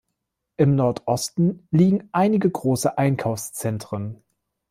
Im Nordosten liegen einige große Einkaufszentren.